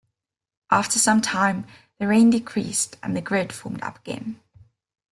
After some time the rain decreased and the grid formed up again.